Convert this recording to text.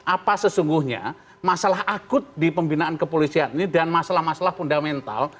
apa sesungguhnya masalah akut di pembinaan kepolisian ini dan masalah masalah fundamental